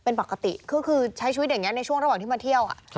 เป็นปกติคือใช้ชีวิตอย่างนี้ในช่วงระหว่างที่มาเที่ยว